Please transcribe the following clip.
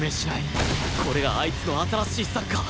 これがあいつの新しいサッカー